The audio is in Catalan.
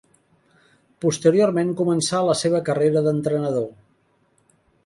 Posteriorment començà la seva carrera d'entrenador.